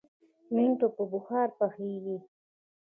منتو په بخار پخیږي؟